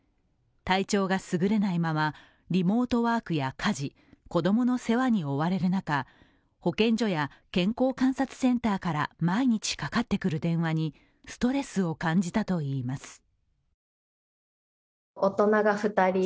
体調がすぐれないままリモートワークや家事、子供の世話に追われる中、保健所や健康観察センターから毎日かかってくる電話にストレスを感じたといいます。